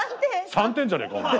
３点じゃねえかお前。